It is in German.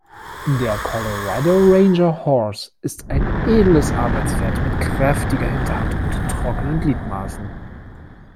Der Colorado Ranger Horse ist ein edles Arbeitspferd mit kräftiger Hinterhand und trockenen Gliedmaßen.